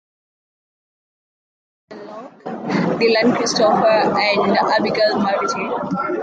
She is close friends with Spencer Locke, Dyllan Christopher and Abigail Mavity.